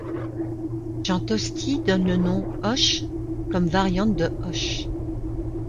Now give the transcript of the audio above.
Jean Tosti donne le nom Hoche comme variante de Hoch.